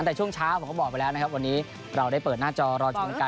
แต่ช่วงเช้าผมก็บอกไปแล้วนะครับวันนี้เราได้เปิดหน้าจอรอชมการ